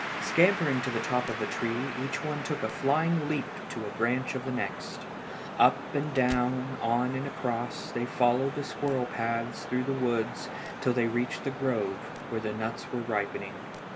Scampering to the top of a tree each one took a flying leap to a branch of the next. Up and down, on and across, they followed the squirrel paths through the woods till they reached the grove, where the nuts were ripening.